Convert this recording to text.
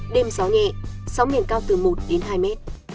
đêm gió nhẹ sóng biển cao từ một đến hai mét